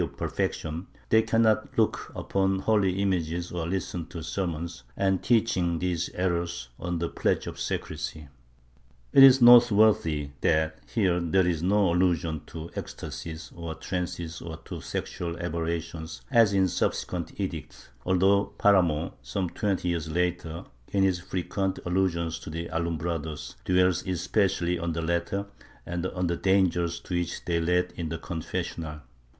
V] HOSTILITY OF THE INQUISITION 25 perfection, they cannot look upon holy images or listen to sermons, and teaching these errors mider pledge of secrecy/ It is noteworthy that here there is no allusion to ecstasies or trances or to sexual aberrations, as in subsec[uent edicts, although Paramo, some twenty years later, in his frequent allusions to the Alumbrados, dwells especially on the latter and on the dangers to which they led in the confessional.